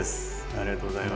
ありがとうございます。